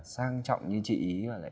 sang trọng như chị ý